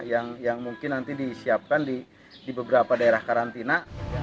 yang mungkin nanti disiapkan di beberapa daerah karantina